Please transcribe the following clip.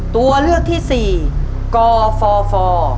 ตัวเลือกที่๔กฟ